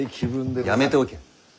やめておけ。